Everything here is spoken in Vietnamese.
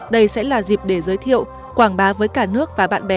đây sẽ là dịp để giới thiệu quảng bá với cả nước và bạn bè